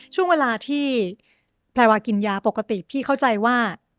ช่วงเวลาที่แพรวากินยาปกติพี่เข้าใจว่า